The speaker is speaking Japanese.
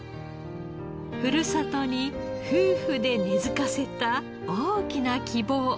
ふるさとに夫婦で根付かせた大きな希望。